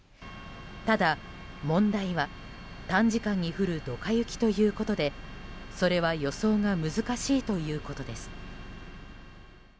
ただ、問題は短時間に降るドカ雪ということでそれは予想が難しいということです。